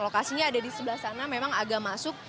lokasinya ada di sebelah sana memang agak masuk